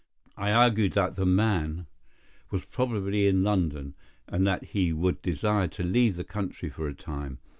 I argued that the man was probably in London, and that he would desire to leave the country for a time.